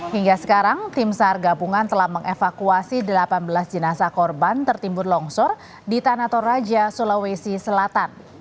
hingga sekarang tim sahar gabungan telah mengevakuasi delapan belas jenasa korban tertimbur longsor di tanatoraja sulawesi selatan